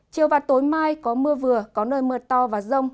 chiều và tối mai có mưa vừa có nơi mưa to và rông